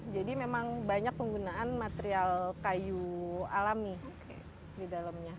jadi memang banyak penggunaan material kayu alami di dalamnya